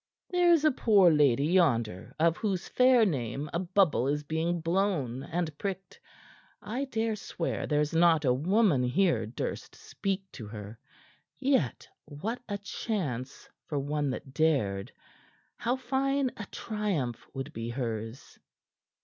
"There is a poor lady yonder, of whose fair name a bubble is being blown and pricked. I dare swear there's not a woman here durst speak to her. Yet what a chance for one that dared! How fine a triumph would be hers!"